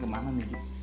jalan jalan kemana nih